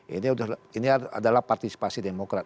ini adalah partisipasi demokrat